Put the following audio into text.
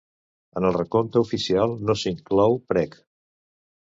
En el recompte oficial, no s'inclou PreK.